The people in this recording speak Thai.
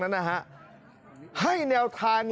ถือก้าวแวง